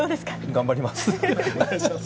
頑張ります。